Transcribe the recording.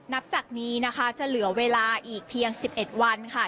นับจากนี้นะคะจะเหลือเวลาอีกเพียง๑๑วันค่ะ